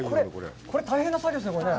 これ、大変な作業ですね。